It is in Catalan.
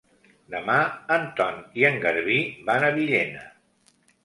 Demà en Ton i en Garbí van a Villena.